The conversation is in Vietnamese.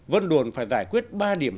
vân đồn phải giải quyết ba điểm